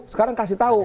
sekarang kasih tahu